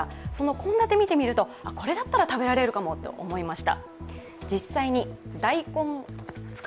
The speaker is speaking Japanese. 献立を見てみると、これだったら食べれるかもと思いました。